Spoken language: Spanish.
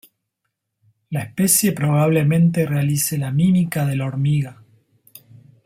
La especie probablemente realice la mímica de la hormiga.